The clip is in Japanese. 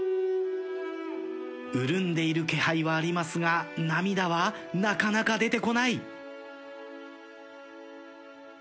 潤んでいる気配はありますが涙はなかなか出てこない。